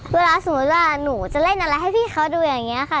เวลาสมมุติว่าหนูจะเล่นอะไรให้พี่เขาดูอย่างนี้ค่ะ